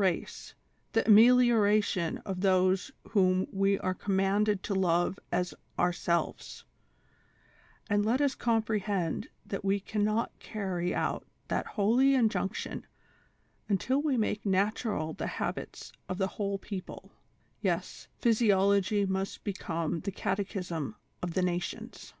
race, the amelioration of those whom we are commanded to love as ourselves ; and let us comprehend that we can not carry out that holy injunction until we make natural the habits of the whole people ; yes, physiology must be come the catechism of the nations.